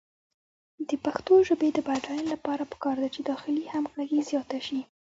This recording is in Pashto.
د پښتو ژبې د بډاینې لپاره پکار ده چې داخلي همغږي زیاته شي.